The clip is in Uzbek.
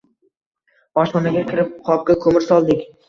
Oshxonaga kirib qopga ko‘mir soldik.